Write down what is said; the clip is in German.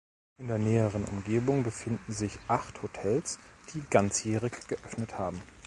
In der näheren Umgebung befinden sich acht Hotels, die ganzjährig geöffnet haben.